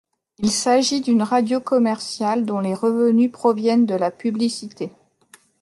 Il s'agit d'une radio commerciale dont les revenus proviennent de la publicité.